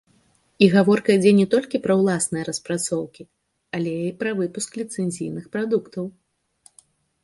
І гаворка ідзе не толькі пра ўласныя распрацоўкі, але і пра выпуск ліцэнзійных прадуктаў.